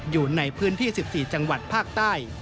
อยู่ในพื้นที่๑๔จังหวัดภาคใต้